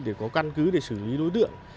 để có căn cứ để xử lý đối tượng